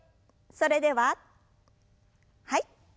それでははい。